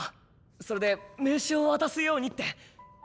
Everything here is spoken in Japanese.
それで名刺をわたすようにって。